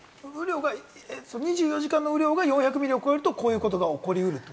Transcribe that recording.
２４時間の雨量が４００ミリを超えると、こういうことが起こりうると？